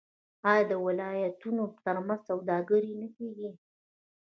آیا د ولایتونو ترمنځ سوداګري نه کیږي؟